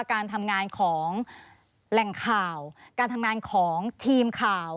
การทำงานของแหล่งข่าวการทำงานของทีมข่าว